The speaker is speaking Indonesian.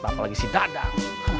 apalagi si dadang